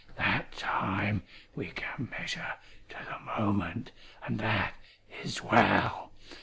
That time we can measure to the moment, and that is well.